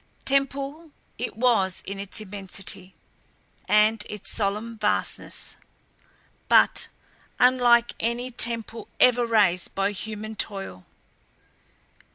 Temple it was in its immensity, and its solemn vastness but unlike any temple ever raised by human toil.